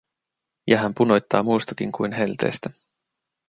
Ja hän punoittaa muustakin kuin helteestä.